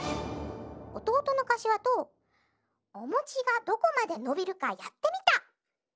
おとうとのかしわとおもちがどこまでのびるかやってみた！